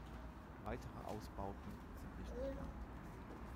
Weitere Ausbauten sind nicht geplant.